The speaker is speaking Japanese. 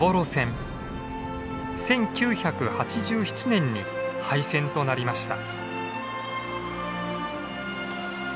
１９８７年に廃線となりました。